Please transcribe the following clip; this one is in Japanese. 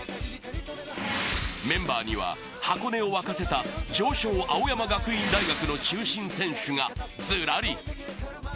メンバーには箱根を沸かせた常勝・青山学院大学の中心選手がずらり。